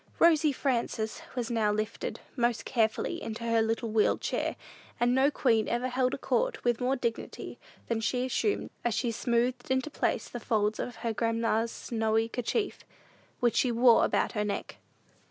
"Rosy Frances" was now lifted most carefully into her little wheeled chair and no queen ever held a court with more dignity than she assumed as she smoothed into place the folds of her grandma's snowy kerchief, which she wore about her neck.